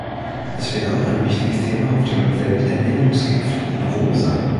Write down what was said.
Das wird auch ein wichtiges Thema auf dem Welternährungsgipfel in Rom sein.